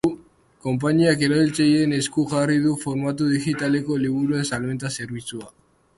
Konpainiak erabiltzaileen esku jarri du formatu digitaleko liburuen salmenta zerbitzua.